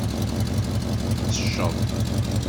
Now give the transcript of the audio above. Tecceḍ.